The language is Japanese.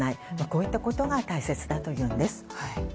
こういったことが大切だというんです。